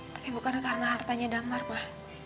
tapi bukan karena hartanya damar pak